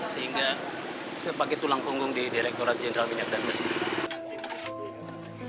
sehingga sebagai tulang punggung di direkturat jenderal minyak dan bersih